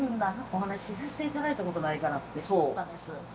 お話しさせていただいたことないからうれしかったです。